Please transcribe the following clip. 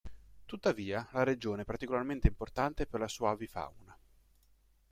Tuttavia, la regione è particolarmente importante per la sua avifauna.